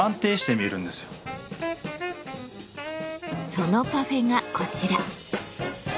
そのパフェがこちら。